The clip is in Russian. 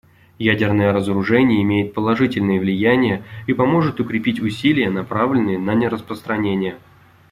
Ядерное разоружение имеет положительное влияние и поможет укрепить усилия, направленные на нераспространение.